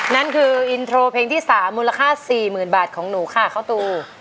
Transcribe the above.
นั่นคืออินโทรเพลงที่สามมูลค่าสี่หมื่นบาทของหนูค่ะเขาตู